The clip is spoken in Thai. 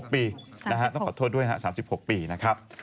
อ๋อ๓๖ปีต้องขอโทษด้วยนะครับ๓๖ปีนะครับ